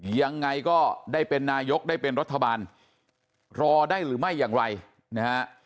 ยังไงก็ได้เป็นนายกได้เป็นรัฐบาลรอได้หรือไม่อย่างไรนะฮะ